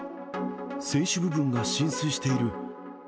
船首部分が浸水している。